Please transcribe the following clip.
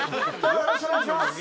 よろしくお願いします。